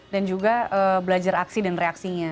dan juga belajar aksi dan reaksinya